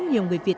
nhiều người việt